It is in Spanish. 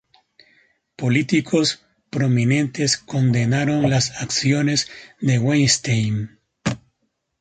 Políticos prominentes condenaron las acciones de Weinstein.